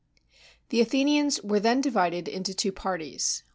The Athenians were then divided into two parties.